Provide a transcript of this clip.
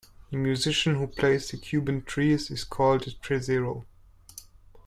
A musician who plays the Cuban tres is called a "tresero".